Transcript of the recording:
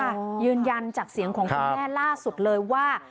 ยืนยันจากเสียงของคุณแม่ล่าสุดเลยว่า